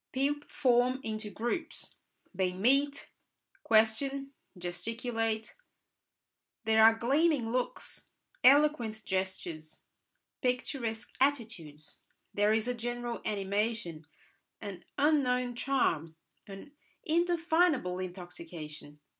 People form into groups; they meet, question, gesticulate; there are gleaming looks, eloquent gestures, picturesque attitudes; there is a general animation, an unknown charm, an indefinable intoxication.